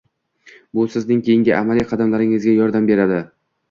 Bu Sizning keyingi amaliy qadamlaringizda yordam beradi.